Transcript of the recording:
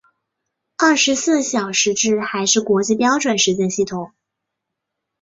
二十四小时制还是国际标准时间系统。